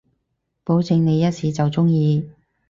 保證你一試就中意